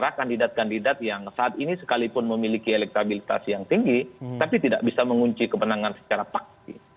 ada kandidat kandidat yang saat ini sekalipun memiliki elektabilitas yang tinggi tapi tidak bisa mengunci kemenangan secara paksi